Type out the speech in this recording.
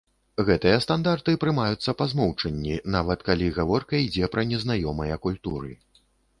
Гэтыя стандарты прымаюцца па змоўчанні, нават калі гаворка ідзе пра незнаёмыя культуры.